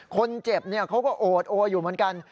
คนเจ็บเขาก็โอดโออยู่เหมือนกัน